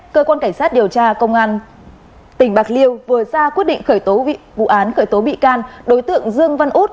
cơ quan cảnh sát điều tra công an tỉnh bạc liêu vừa ra quyết định khởi tố vụ án khởi tố bị can đối tượng dương văn út